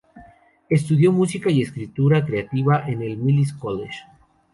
Estudió música y escritura creativa en el Mills College.